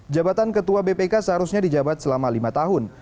jabatan ketua bpk seharusnya dijabat selama lima tahun